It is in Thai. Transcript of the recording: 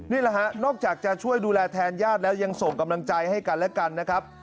นี่แหละฮะนอกจากจะช่วยดูแลแทนญาติแล้วยังส่งกำลังใจให้กันและกันนะครับ